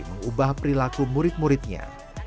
mengubah perilaku murid muridnya